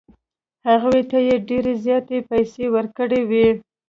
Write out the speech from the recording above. هغوی ته یې ډېرې زیاتې پیسې ورکړې وې.